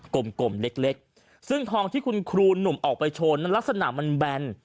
กลมกลมเล็กเล็กซึ่งทองที่คุณครูหนุ่มออกไปโชว์นั้นลักษณะมันแบน